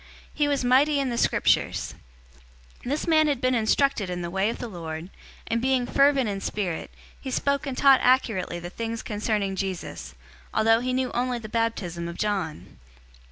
He was mighty in the Scriptures. 018:025 This man had been instructed in the way of the Lord; and being fervent in spirit, he spoke and taught accurately the things concerning Jesus, although he knew only the baptism of John.